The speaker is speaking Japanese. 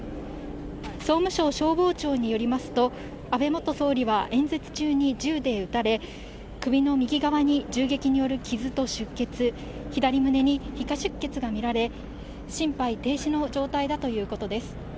総務省消防庁によりますと、安倍元総理は演説中に銃で撃たれ、首の右側に銃撃による傷と出血、左胸に皮下出血が見られ、心肺停止の状態だということです。